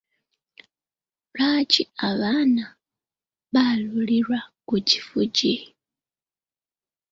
Lwaki abaana baalulirwa ku kifugi?